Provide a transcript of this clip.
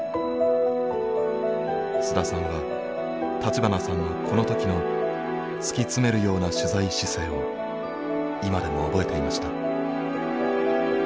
須田さんは立花さんのこの時の突き詰めるような取材姿勢を今でも覚えていました。